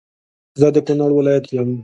زه د کونړ ولایت يم